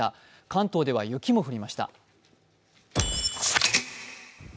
関東では雪も降りました。